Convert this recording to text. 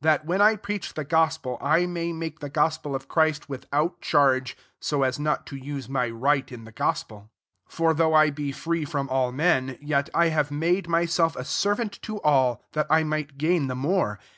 That, when I preach the gospel, I may make the gos pel [iqf Christ'] without charge, so as not to juse my right in Uie gospel. . 19 For though I be free from all m^n, yet I have made my self a servant to all, that I might gain the more.